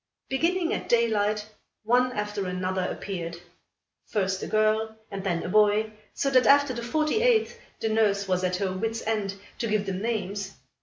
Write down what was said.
Beginning at daylight, one after another appeared first a girl and then a boy; so that after the forty eighth, the nurse was at her wit's end, to give them names.